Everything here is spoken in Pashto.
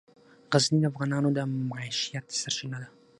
غزني د افغانانو د معیشت سرچینه ده.